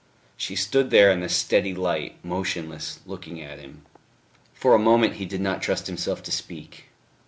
She stood there in the steady light, motionless, looking at him. For a moment he did not trust himself to speak.